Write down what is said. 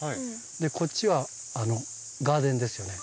でこっちはガーデンですよね。